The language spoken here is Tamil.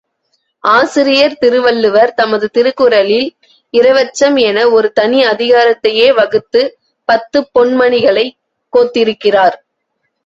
ஆசிரியர் திருவள்ளுவர் தமது திருக்குறளில் இரவச்சம் என ஒரு தனி அதிகாரத்தையே வகுத்துப் பத்துப் பொன்மணிகளைக் கோத்திருக்கிறார்.